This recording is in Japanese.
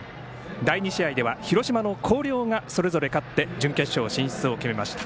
第２試合では広島の広陵がそれぞれ勝って準決勝進出を決めました。